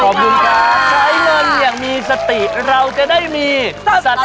ขอบคุณค่ะใช้เงินอย่างมีสติเราจะได้มีสัตว์สัตว์